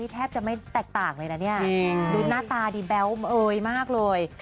แทบจะไม่แตกต่างเลยนะเนี่ยดูหน้าตาดีแบ๊วเอยมากเลย